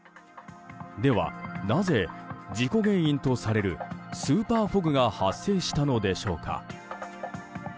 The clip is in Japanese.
では、なぜ事故原因とされるスーパーフォグが発生したのでしょうか。